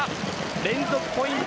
連続ポイント